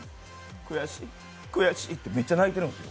悔しい、悔しいってめっちゃ泣いてるんです。